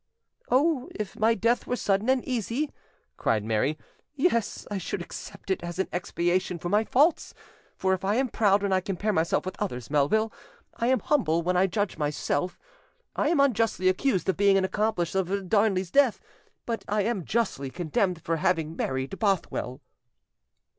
"Oh, if my death were sudden and easy," cried Mary, "yes, I should accept it as an expiation for my faults; for if I am proud when I compare myself with others, Melville, I am humble when I judge myself. I am unjustly accused of being an accomplice of Darnley's death, but I am justly condemned for having married Bothwell."